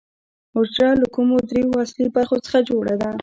حجره له کومو درېیو اصلي برخو څخه جوړه ده